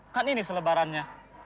kan ini selebarannya